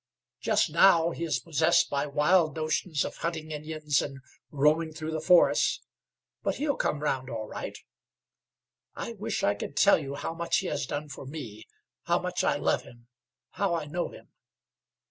Just now he is possessed by wild notions of hunting Indians and roaming through the forests; but he'll come round all right. I wish I could tell you how much he has done for me, how much I love him, how I know him!